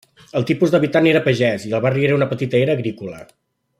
El tipus d'habitant era pagès i el barri era una petita era agrícola.